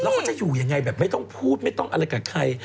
เขาจะอยู่ยังไงแบบไม่ต้องพูดไม่ต้องอะไรกับใคร